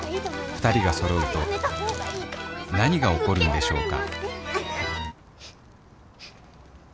２人が揃うと何が起こるんでしょうか？